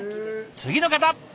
次の方！